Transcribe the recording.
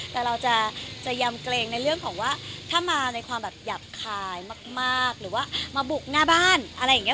แต่เราจะยำเกรงในเรื่องของว่าถ้ามาในความแบบหยาบคายมากหรือว่ามาบุกหน้าบ้านอะไรอย่างนี้